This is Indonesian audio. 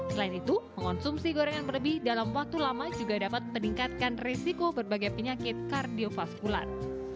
selain itu mengonsumsi gorengan berlebih dalam waktu lama juga dapat meningkatkan resiko berbagai penyakit kardiofaskular